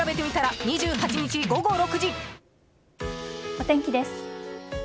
お天気です。